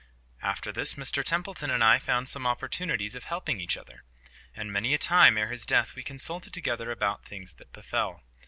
After this Mr Templeton and I found some opportunities of helping each other. And many a time ere his death we consulted together about things that befell.